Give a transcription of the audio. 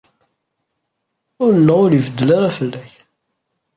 Ul-nneɣ ur ibeddel ara fell-ak.